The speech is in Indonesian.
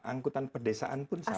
angkutan pedesaan pun sama